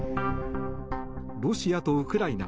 ロシアとウクライナ